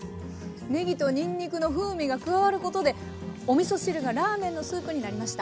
ねぎとにんにくの風味が加わることでおみそ汁がラーメンのスープになりました。